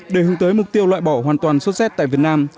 để hướng tới mục tiêu loại bỏ hoàn toàn sốt xét tại việt nam